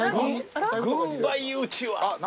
軍配うちわ。